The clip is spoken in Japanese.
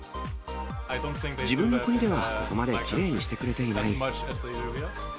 自分の国ではここまできれいにしてくれていない。